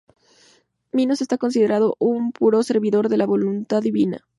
Minos está considerado un puro servidor de la voluntad divina.